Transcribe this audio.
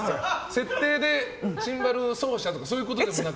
設定でシンバル奏者とかそうではなく？